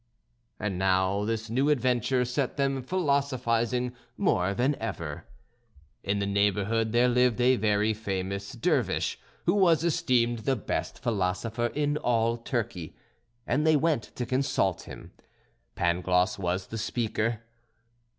And now this new adventure set them philosophising more than ever. In the neighbourhood there lived a very famous Dervish who was esteemed the best philosopher in all Turkey, and they went to consult him. Pangloss was the speaker.